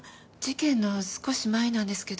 事件の少し前なんですけど。